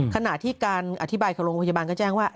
ขณะที่การอธิบายของโรงพยาบาลก็แจ้งว่า